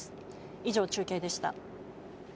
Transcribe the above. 以上、中継でした。